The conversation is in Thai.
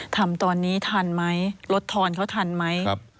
ทำตอนนี้ทันไหมลดทอนเขาทันไหม